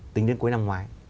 tính đến cuối năm ngoái